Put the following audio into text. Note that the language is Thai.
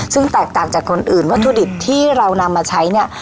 ซึ่งแตกต่างจากคนอื่นวัตถุดิบที่เรานำมาใช้เนี่ย